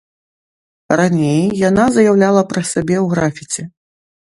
Раней яна заяўляла пра сябе ў графіці.